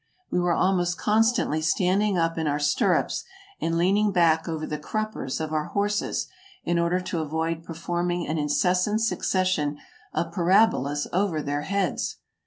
We were almost constantly standing up in our stirrups, and lean ing back over the cruppers of our horses, in order to avoid performing an incessant succession of parabolas over their heads.